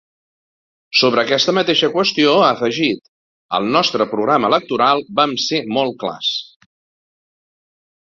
Sobre aquesta mateixa qüestió, ha afegit: Al nostre programa electoral vam ser molt clars.